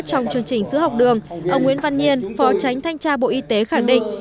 trong chương trình sữa học đường ông nguyễn văn nhiên phó tránh thanh tra bộ y tế khẳng định